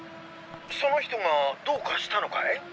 その人がどうかしたのかい？